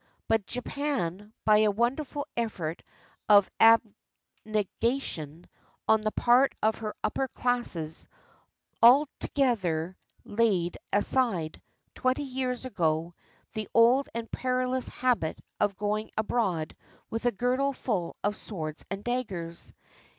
But Japan, by a wonderful effort of abnega tion on the part of her upper classes, altogether laid aside, twenty years ago, the old and perilous habit of going abroad with a girdle full of swords and daggers.